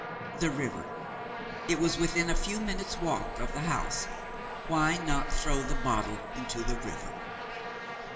The river! It was within a few minutes' walk of the house. Why not throw the bottle into the river?